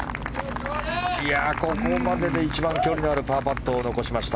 ここまでで一番距離のあるパーパットを残しました。